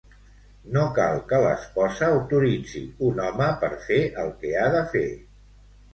No cal que l'esposa autoritzi un home per fer el que ha de fer.